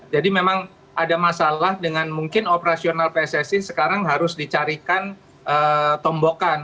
jadi memang ada masalah dengan mungkin operasional pssi sekarang harus dicarikan tombokan